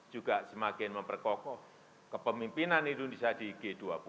juga semakin memperkokoh kepemimpinan indonesia di g dua puluh